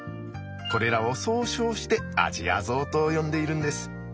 これらを総称してアジアゾウと呼んでいるんです。